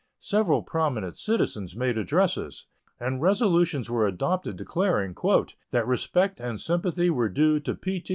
Several prominent citizens made addresses, and resolutions were adopted declaring "that respect and sympathy were due to P. T.